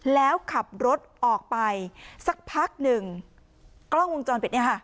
แล้วขับรถออกไปสักพักหนึ่งกล้องวงจรปิดเนี่ยค่ะ